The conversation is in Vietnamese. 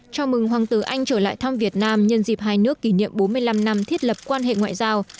chào mừng hoàng tử anh trở lại thăm việt nam nhân dịp hai nước kỷ niệm bốn mươi năm năm thiết lập quan hệ ngoại giao